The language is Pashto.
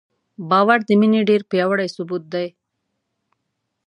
باور د مینې ډېر پیاوړی ثبوت دی.